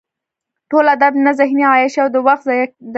ټول ادب نه ذهني عیاشي او د وخت ضایع ده.